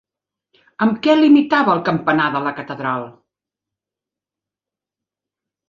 Amb què limitava el campanar de la catedral?